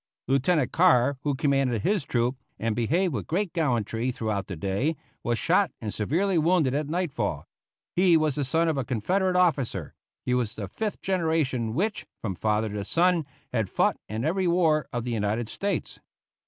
Lieutenant Carr, who commanded his troop, and behaved with great gallantry throughout the day, was shot and severely wounded at nightfall. He was the son of a Confederate officer; his was the fifth generation which, from father to son, had fought in every war of the United States.